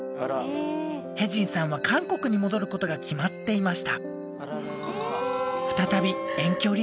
ヘジンさんは韓国に戻ることが決まっていました。